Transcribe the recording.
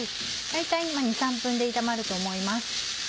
大体２３分で炒まると思います。